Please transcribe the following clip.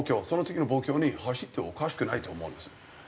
その次の暴挙に走っておかしくないと思うんです。